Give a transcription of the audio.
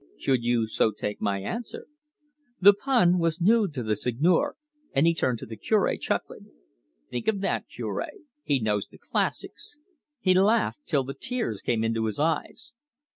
"Should you so take my 'anser'?" The pun was new to the Seigneur, and he turned to the Cure chuckling. "Think of that, Cure! He knows the classics." He laughed till the tears came into his eyes.